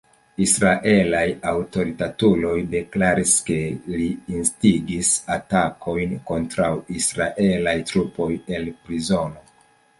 Israelaj aŭtoritatuloj deklaris, ke li instigis atakojn kontraŭ israelaj trupoj el prizono.